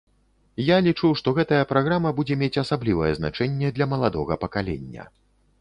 Я лічу, што гэтая праграма будзе мець асаблівае значэнне для маладога пакалення.